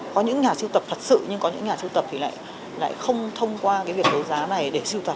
có những nhà sưu tập thật sự nhưng có những nhà sưu tập lại không thông qua việc đấu giá này để sưu tập